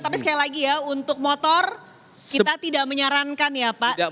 tapi sekali lagi ya untuk motor kita tidak menyarankan ya pak